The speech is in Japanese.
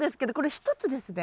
１つです。